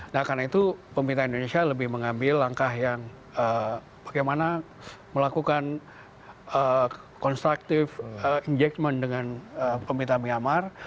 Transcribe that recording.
nah karena itu pemerintah indonesia lebih mengambil langkah yang bagaimana melakukan constructive engagement dengan pemerintah myanmar